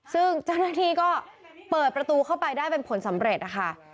ซึ่งเจ้าหน้าที่ก็เปิดประตูเข้าไปได้เป็นผลสำเร็จนะคะ